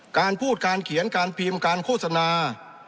การพูดการเขียนการพิมพ์การโฆษณา